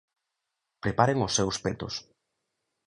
Preparen os seus petos.